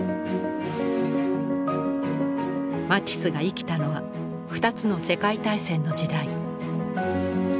マティスが生きたのは２つの世界大戦の時代。